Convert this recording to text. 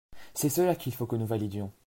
C’est cela qu’il faut que nous validions.